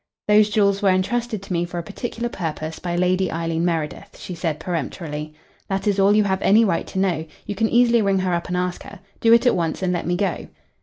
"Those jewels were entrusted to me for a particular purpose by Lady Eileen Meredith," she said peremptorily. "That is all you have any right to know. You can easily ring her up and ask her. Do it at once and let me go."